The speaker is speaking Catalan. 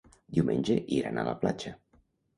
Diumenge iran a la platja.